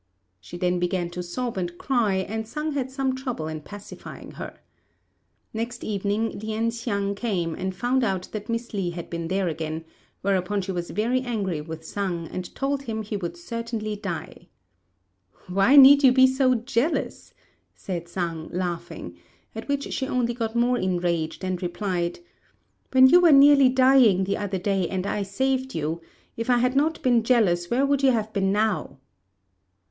She then began to sob and cry, and Sang had some trouble in pacifying her. Next evening Lien hsiang came and found out that Miss Li had been there again; whereupon she was very angry with Sang, and told him he would certainly die. "Why need you be so jealous?" said Sang, laughing; at which she only got more enraged, and replied, "When you were nearly dying the other day and I saved you, if I had not been jealous, where would you have been now?"